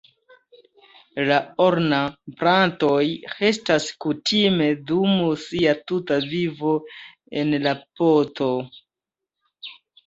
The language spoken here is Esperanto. La ornamplantoj restas kutime dum sia tuta vivo en la poto.